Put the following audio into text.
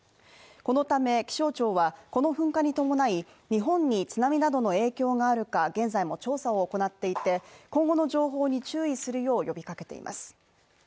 このため気象庁は、この噴火に伴い日本に津波などの影響があるか、現在も調査を行っていて、今後の情報に注意するよう呼びかけています。